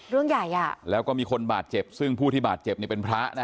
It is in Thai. เรื่องใหญ่อ่ะแล้วก็มีคนบาดเจ็บซึ่งผู้ที่บาดเจ็บนี่เป็นพระนะ